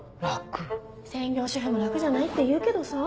専業主婦も楽じゃないっていうけどさ。